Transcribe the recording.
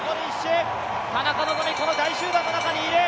田中希実、この大集団の中にいる。